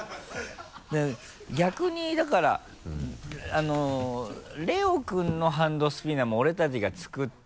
逆にだから玲央君のハンドスピナーも俺たちが作って。